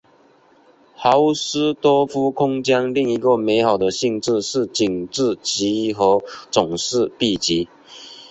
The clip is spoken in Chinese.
豪斯多夫空间另一个美好的性质是紧致集合总是闭集。